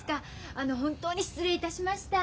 あの本当に失礼いたしました。